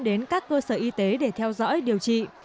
đến các cơ sở y tế để theo dõi điều trị